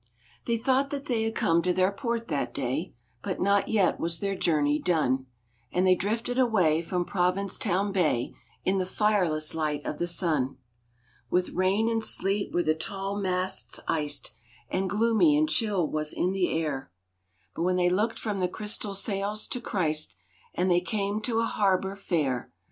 They thought they had come to their port that day, But not yet was their journey done; And they drifted away from Provincetown Bay In the fireless light of the sun. With rain and sleet were the tall masts iced, And gloomy and chill was the air, But they looked from the crystal sails to Christ, And they came to a harbor fair.